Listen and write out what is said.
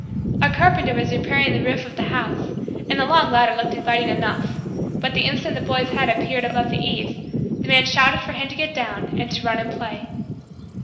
A carpenter was repairing the roof of the house and the long ladder looked inviting enough, but, the instant the boy's head appeared above the eaves, the man shouted for him to get down and to run and play.